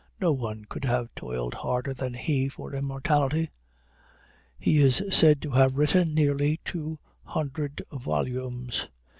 No one could have toiled harder than he for immortality. He is said to have written nearly two hundred volumes.